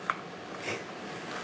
えっ？